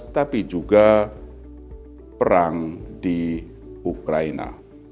tapi juga perang di ukraina